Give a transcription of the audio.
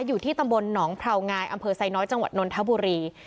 อยู่ที่ตำบลหนองพราวงายอำเภอไซน้อยจังหวัดนนทบุรี